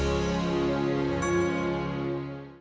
tidak ada yang bisa diberikan